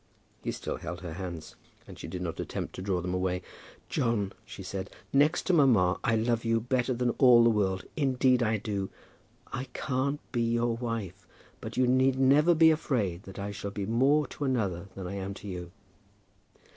He still held her hands, and she did not attempt to draw them away. "John," she said, "next to mamma, I love you better than all the world. Indeed I do. I can't be your wife, but you need never be afraid that I shall be more to another than I am to you."